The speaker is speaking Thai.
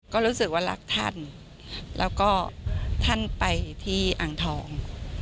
ก็รู้สึกว่ารักท่านแล้วก็ท่านไปที่อ่างทอง